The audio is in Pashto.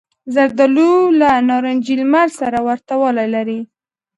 زردالو له نارنجي لمر سره ورته والی لري.